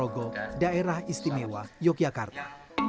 di keprogo daerah istimewa yogyakarta